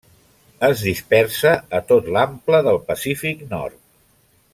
Es dispersa a tot l'ample del Pacífic nord.